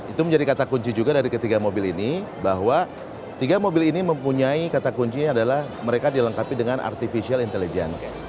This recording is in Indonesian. itu menjadi kata kunci juga dari ketiga mobil ini bahwa tiga mobil ini mempunyai kata kuncinya adalah mereka dilengkapi dengan artificial intelligence